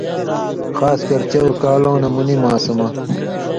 خاص کر چؤر کالؤں نہ منی ماسمہ